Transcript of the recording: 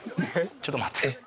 「ちょっと待って」？